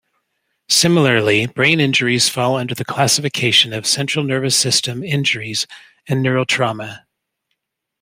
Similarly, brain injuries fall under the classification of central nervous system injuries and neurotrauma.